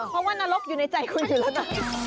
เพราะว่านรกอยู่ในใจคุณอยู่แล้วนะ